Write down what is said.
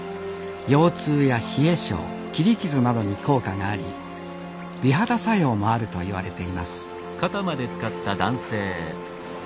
腰痛や冷え性切り傷などに効果があり美肌作用もあるといわれています